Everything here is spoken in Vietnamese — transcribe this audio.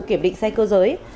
kiểm định xe cơ giới